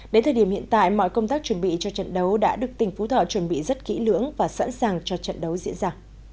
đến thời điểm hiện tại mọi công tác chuẩn bị cho trận đấu đã được tỉnh phú thọ chuẩn bị rất kỹ lưỡng và sẵn sàng cho trận đấu diễn ra